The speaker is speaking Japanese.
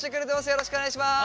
よろしくお願いします。